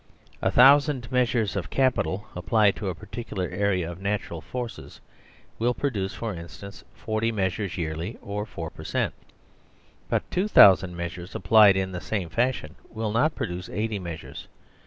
A thousand measures of capital applied to a particular area of natural forces will produce, for instance, 40 measures yearly, or 4 per cent. ; but 2000 measures applied in the same fashion will not produce 80 meas ures.